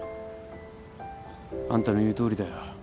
あんたの言うとおりだよ。